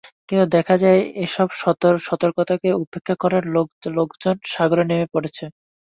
কিন্তু দেখা যায়, এসব সতর্কতাকে উপেক্ষা করে লোকজন সাগরে নেমে পড়ছে।